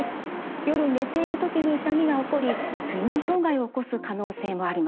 夜寝ている時に痛みが起こり睡眠障害を起こす可能性もあります。